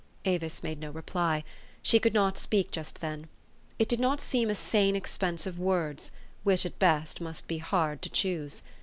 Avis made no reply. She could not speak just then. It did not seem a sane expense of words, which, at best, must be hard to choose.